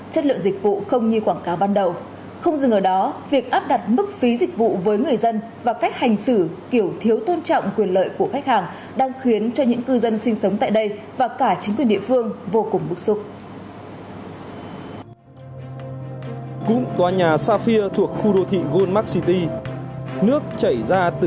chất lượng dịch vụ không như quảng cáo báo cáo của các nhà hàng hàng